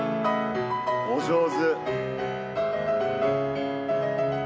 お上手。